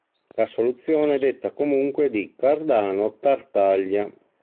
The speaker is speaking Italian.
La soluzione è detta comunque di Cardano-Tartaglia.